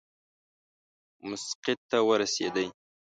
مسقط ته ورسېدی.